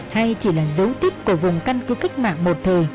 hay chỉ là dấu tích của vùng căn cứ cách mạng một thời